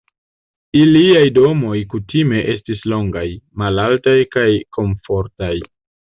Iliaj domoj kutime estis longaj, malaltaj kaj komfortaj.